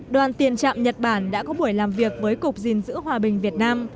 đoàn tiền trạm nhật bản đã có buổi làm việc với cục gìn giữ hòa bình việt nam